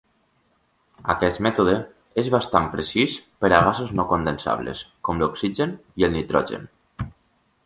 Aquest mètode és bastant precís per a gasos no condensables com l"oxigen i el nitrogen.